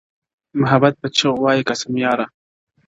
محبت په چیغو وایې قاسم یاره,